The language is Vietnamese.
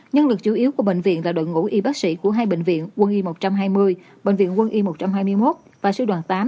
nhân lực chủ yếu của bệnh viện và đội ngũ y bác sĩ của hai bệnh viện quân y một trăm hai mươi bệnh viện quân y một trăm hai mươi một và sư đoàn tám